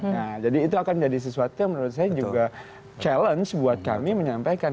nah jadi itu akan jadi sesuatu yang menurut saya juga challenge buat kami menyampaikan